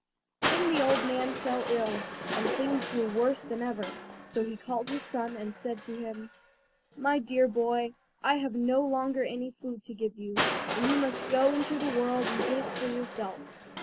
Then the old man fell ill, and things grew worse than ever, so he called his son and said to him: "My dear boy, I have no longer any food to give you, and you must go into the world and get it for yourself.